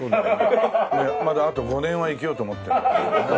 まだあと５年は生きようと思ってるんだよね